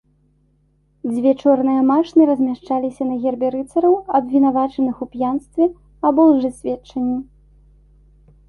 Дзве чорныя машны размяшчаліся на гербе рыцараў, абвінавачаных у п'янстве або лжэсведчанні.